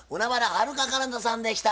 はるか・かなたさんでした。